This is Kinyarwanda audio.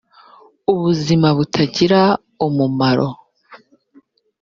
ubuzima butagira umumaro